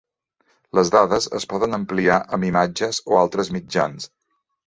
Les dades es poden ampliar amb imatges o altres mitjans.